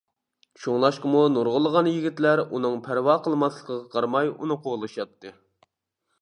شۇڭلاشقىمۇ نۇرغۇنلىغان يىگىتلەر ئۇنىڭ پەرۋا قىلماسلىقىغا قارىماي ئۇنى قوغلىشاتتى.